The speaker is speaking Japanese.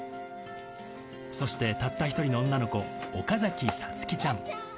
そしてたった一人の女の子、岡崎颯希ちゃん。